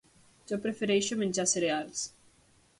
Jo prefereixo menjar cereals.